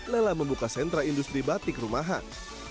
lela membuka sentra industri batik rumahan